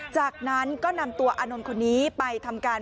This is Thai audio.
จากนั้นก็นำตัวอานนท์คนนี้ไปทำการ